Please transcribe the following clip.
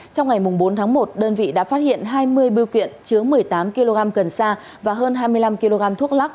trong ngày bốn tháng một đơn vị đã phát hiện hai mươi biêu kiện chứa một mươi tám kg cần sa và hơn hai mươi năm kg thuốc lắc